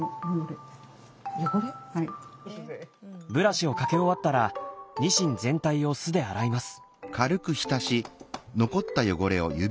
ブラシをかけ終わったらニシン全体を酢で洗います。